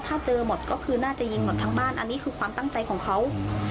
ถ้าเจอหมดก็คือน่าจะยิงหมดทั้งบ้านอันนี้คือความตั้งใจของเขา